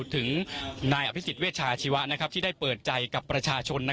ถึงไนต์อภิษฎิเวชาชิวะเปิดใจกับประชาชน